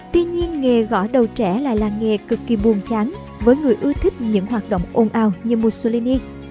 tuy nhiên nghề gõ đầu trẻ lại là nghề cực kỳ buồn chán với người ưa thích những hoạt động ồn ào như mussolini